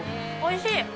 おいしい。